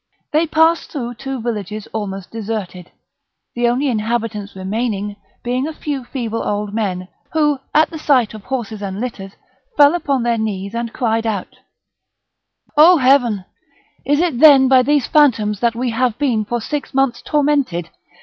They passed through two villages almost deserted, the only inhabitants remaining being a few feeble old men, who, at the sight of horses and litters, fell upon their knees and cried out: "O Heaven! is it then by these phantoms that we have been for six months tormented?